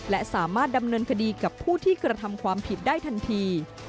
และสามารถดำเนินคดีกับผู้ที่กระทำความผิดได้ทันที